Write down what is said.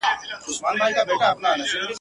خدای یې په برخه کښلی عذاب دی !.